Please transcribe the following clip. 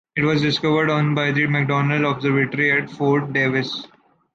It was discovered on by the McDonald Observatory at Fort Davis.